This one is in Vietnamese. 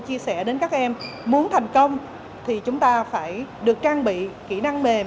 chia sẻ đến các em muốn thành công thì chúng ta phải được trang bị kỹ năng mềm